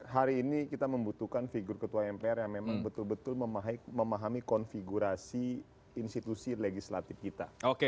hari ini kita membutuhkan figur ketua mpr yang memang betul betul memahami konfigurasi institusi legislatif kita